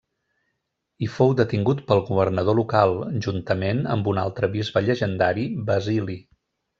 Hi fou detingut pel governador local, juntament amb un altre bisbe llegendari, Basili.